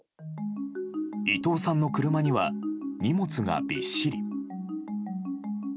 伊藤さんの車には荷物がびっしり。